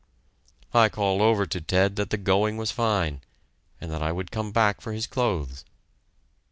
I called over to Ted that the going was fine, and that I would come back for his clothes.